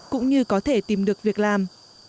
cũng như có thể tìm được việc làm